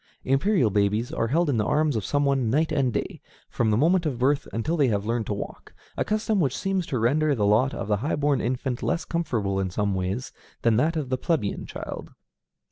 Imperial babies are held in the arms of some one night and day, from the moment of birth until they have learned to walk, a custom which seems to render the lot of the high born infant less comfortable in some ways than that of the plebeian child.